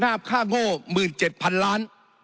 ค่าโง่๑๗๐๐๐๐ล้าน